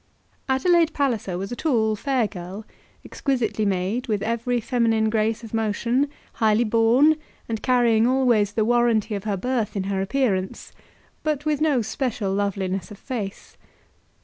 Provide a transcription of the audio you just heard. Adelaide Palliser was a tall, fair girl, exquisitely made, with every feminine grace of motion, highly born, and carrying always the warranty of her birth in her appearance; but with no special loveliness of face.